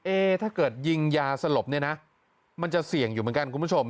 ถ้าเกิดยิงยาสลบเนี่ยนะมันจะเสี่ยงอยู่เหมือนกันคุณผู้ชม